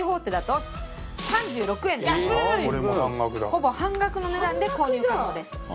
ほぼ半額の値段で購入可能です。